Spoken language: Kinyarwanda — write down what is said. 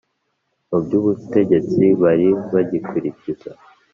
mu by’ubutegetsi bari bagikurikiza